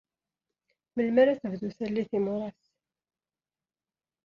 Melmi ara d-tebdu tallit n yimuras?